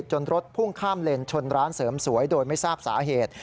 รถพุ่งข้ามเลนชนร้านเสริมสวยโดยไม่ทราบสาเหตุ